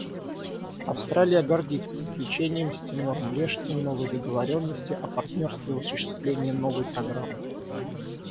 Австралия гордится заключением с Тимором-Лешти новой договоренности о партнерстве в осуществлении Новой программы.